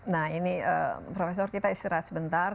nah ini profesor kita istirahat sebentar